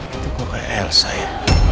itu gue kayak elsa ya